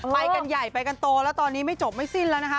ไปกันใหญ่ไปกันโตแล้วตอนนี้ไม่จบไม่สิ้นแล้วนะคะ